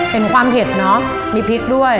เห็นความเผ็ดเนอะมีพริกด้วย